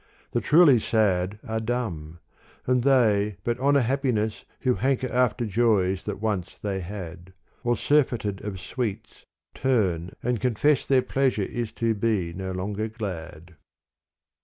The truly sad Are dumb : and they but honour happiness Who hanker after joys that once they had : Or surfeited of sweets turn and confess Their pleasure is to be no longer glad.